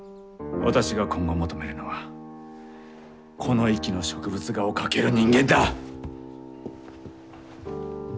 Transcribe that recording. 私が今後求めるのはこの域の植物画を描ける人間だ！